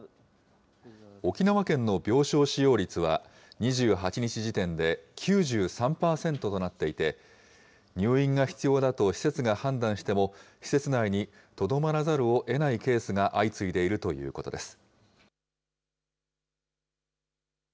沖縄県の病床使用率は２８日時点で９３％となっていて、入院が必要だと施設が判断しても、施設内にとどまらざるをえないケースが相次いでいるということです。